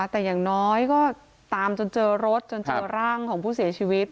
แต่อย่างน้อยก็ตามจนเจอรถจนเจอร่างของผู้เสียชีวิต